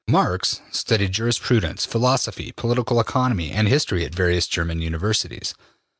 Marx studied jurisprudence, philosophy, political economy and history at various German universities.